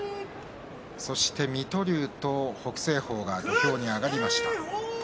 水戸龍と北青鵬が土俵に上がりました。